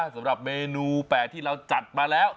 สำหรับเมนูแปลกที่เราจัดมาแล้ว